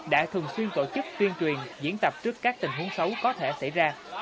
đã thường xuyên tổ chức tuyên truyền diễn tập trước các tình huống xấu có thể xảy ra